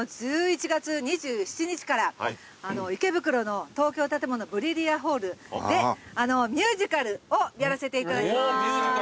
１１月２７日から池袋の東京建物ＢｒｉｌｌｉａＨＡＬＬでミュージカルをやらせていただきます。